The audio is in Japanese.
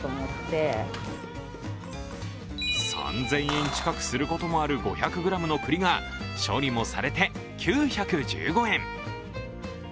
３０００円近くすることもある５００ｇのくりが処理もされて９１５円。